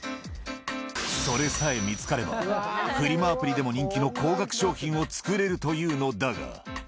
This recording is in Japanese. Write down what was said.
それさえ見つかれば、フリマアプリでも人気の高額商品を作れるというのだが。